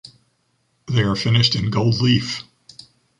They are finished in gold leaf.